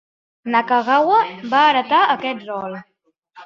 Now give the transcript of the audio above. Nakagawa va heretar aquest rol.